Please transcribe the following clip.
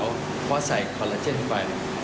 เพราะว่าใส่คอลลาเจนไป